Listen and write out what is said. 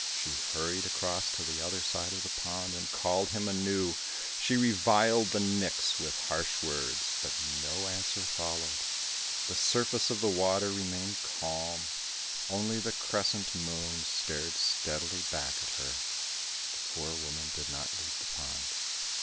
She hurried across to the other side of the pond, and called him anew; she reviled the nix with harsh words, but no answer followed. The surface of the water remained calm, only the crescent moon stared steadily back at her. The poor woman did not leave the pond.